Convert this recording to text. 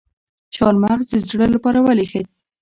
چهارمغز د زړه لپاره ولې ښه دي؟